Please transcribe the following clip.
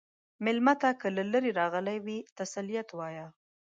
مېلمه ته که له لرې راغلی وي، تسلیت وایه.